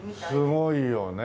すごいよね